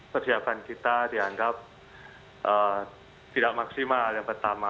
persiapan kita dianggap tidak maksimal yang pertama